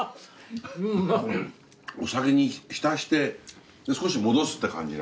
お酒にひたして少し戻すって感じなんだ。